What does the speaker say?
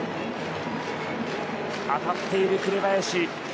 当たっている紅林。